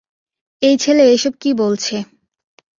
এই ছেলে এসব কী বলছে।